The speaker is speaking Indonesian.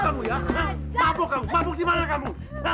mabuk dimana kamu